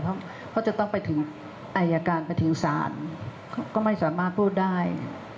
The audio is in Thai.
เพราะจะต้องไปถึงอายการไปถึงศาลก็ไม่สามารถพูดได้